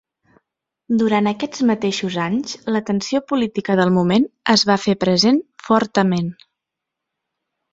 Durant aquests mateixos anys, la tensió política del moment es va fer present fortament.